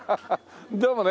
どうもね。